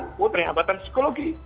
ternyata ada hambatan psikologi